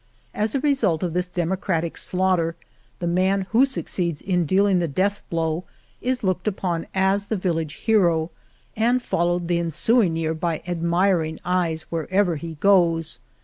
As a re 190 The Morena suit of this democratic slaughter, the man who succeeds in dealing the death blow is looked upon as the village hero and fol lowed the ensuing year by admiring eyes wherever he goes.